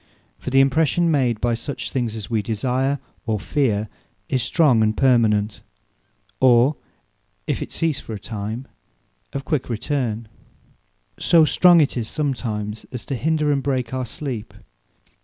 For the impression made by such things as wee desire, or feare, is strong, and permanent, or, (if it cease for a time,) of quick return: so strong it is sometimes, as to hinder and break our sleep.